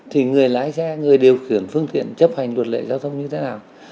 thì người lái xe người điều khiển phương tiện chấp hành luật lệ giao thông như thế nào